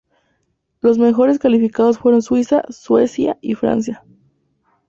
Los mejor calificados fueron Suiza, Suecia y Francia.